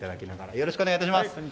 よろしくお願いします。